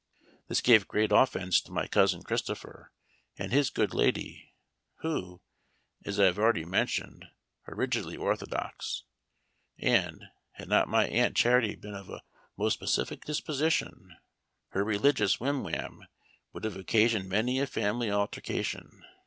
This gave great offense to my Cousin Christopher and his good lady, who, as I have already mentioned, are rigidly orthodox ; and, had not my Aunt Charity been of a most pacific disposition, her religious whim wham would have occasioned many a family alter cation.